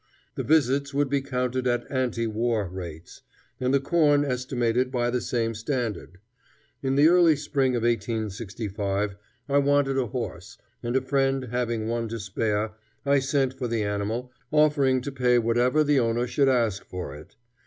The visits would be counted at ante war rates, and the corn estimated by the same standard. In the early spring of 1865 I wanted a horse, and a friend having one to spare, I sent for the animal, offering to pay whatever the owner should ask for it.